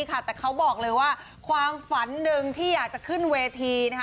แต่เขาบอกเลยว่าความฝันหนึ่งที่อยากจะขึ้นเวทีนะคะ